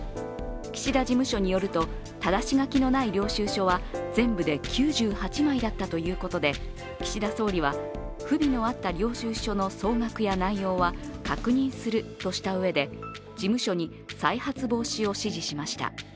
岸田事務所によると、ただし書きのない領収書は全部で９８枚だったということで、岸田総理は不備のあった領収書の総額や内容は確認するとしたうえで事務所に再発防止を指示しました。